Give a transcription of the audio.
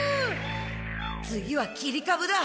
次は切りかぶだ。